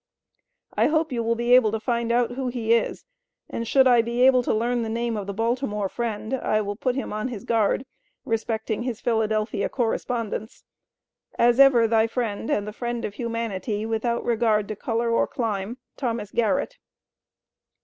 I hope you will be able to find out who he is, and should I be able to learn the name of the Baltimore friend, I will put him on his Guard, respecting his Phila. correspondents. As ever thy friend, and the friend of Humanity, without regard to color or clime. THOS. GARRETT.